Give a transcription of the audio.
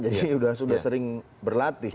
jadi sudah sering berlatih